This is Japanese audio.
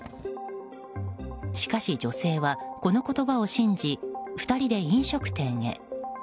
しかし女性はこの言葉を信じ２人で飲食店へ。